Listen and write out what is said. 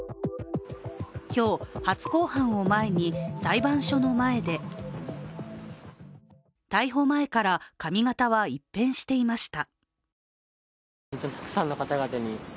今日、初公判を前に裁判所の前で逮捕前から髪形は一変していました。